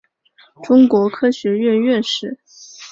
中国科学院院士。